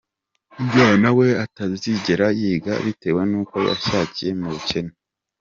umwana we atazigera yiga bitewe n’uko yashakiye mu bukene.